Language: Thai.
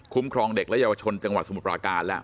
ครองเด็กและเยาวชนจังหวัดสมุทรปราการแล้ว